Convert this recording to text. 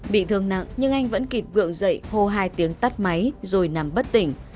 bị thương nặng nhưng anh vẫn kịp gượng dậy hô hai tiếng tắt máy rồi nằm bất tỉnh